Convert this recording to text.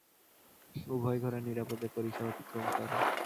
উভয় ঘোড়া নিরাপদে পরিখা অতিক্রম করে।